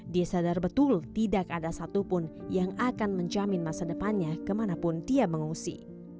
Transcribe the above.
dia sadar betul tidak ada satupun yang akan menjamin masa depannya kemanapun dia mengungsi